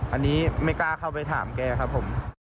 อันนี้ไม่กล้าเข้าไปถามแกครับผม